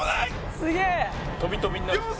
「すげえ！」